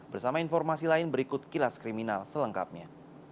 bersama informasi lain berikut kilas kriminal selengkapnya